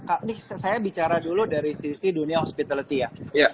ini saya bicara dulu dari sisi dunia hospitality ya